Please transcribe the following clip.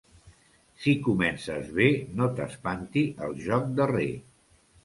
Si comences bé no t'espanti el joc darrer.